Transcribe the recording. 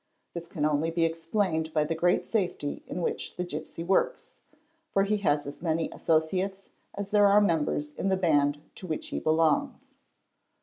This can only be explained by the great safety in which the gipsy works, for he has as many associates as there are members in the band to which he belongs.